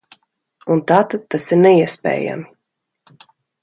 Un tātad tas ir neiespējami.